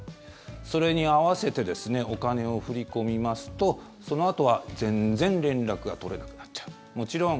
それに合わせてお金を振り込みますとそのあとは全然連絡が取れなくなっちゃう。